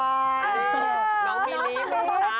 เออน้องบีลีฟค่ะ